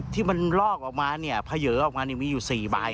ที่มันลอกออกมาเนี่ยเผยออกมามีอยู่๔ใบ